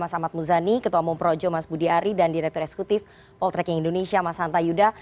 sampai jumpa di indonesia mas hanta yuda